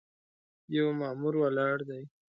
یو مامور ولاړ دی.